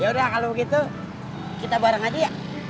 yaudah kalau begitu kita bareng aja